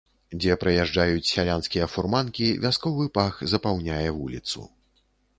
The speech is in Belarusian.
Дзе праязджаюць сялянскія фурманкі, вясковы пах запаўняе вуліцу.